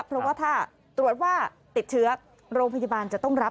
เพราะว่าถ้าตรวจว่าติดเชื้อโรงพยาบาลจะต้องรับ